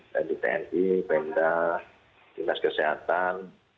dari tni penda jelas kesehatan